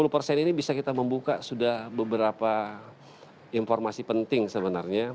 lima puluh persen ini bisa kita membuka sudah beberapa informasi penting sebenarnya